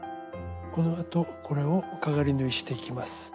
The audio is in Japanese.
このあとこれをかがり縫いしていきます。